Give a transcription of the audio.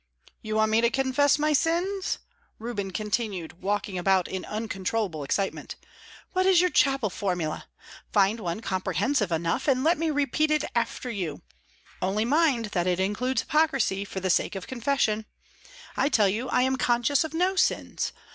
"You want me to confess my sins?" Reuben continued, walking about in uncontrollable excitement. "What is your chapel formula? Find one comprehensive enough, and let me repeat it after you; only mind that it includes hypocrisy, for the sake of the confession. I tell you I am conscious of no sins.